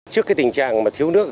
trước cái tình trạng mà thiếu nước